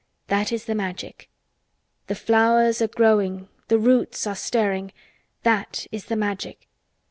That is the Magic. The flowers are growing—the roots are stirring. That is the Magic.